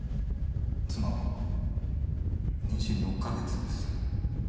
妻は妊娠６か月です。